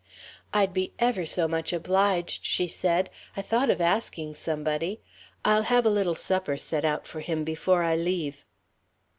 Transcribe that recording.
"I'd be ever so much obliged," she said; "I thought of asking somebody. I'll have a little supper set out for him before I leave."